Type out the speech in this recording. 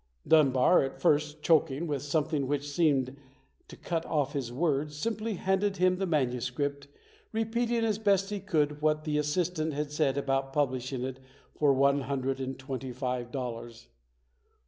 Dunbar at first, choking with something which seemed to cut off his words, simply handed him the manu script, repeating as best he could what the assist ant had said about publishing it for one hundred and twenty five dollars.